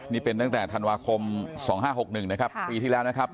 นี่เป็นตั้งแต่ธันวาคม๒๕๖๑นะครับปีที่แล้วนะครับ